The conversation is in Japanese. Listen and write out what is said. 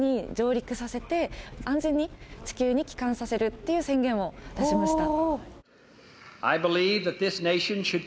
っていう宣言を出しました。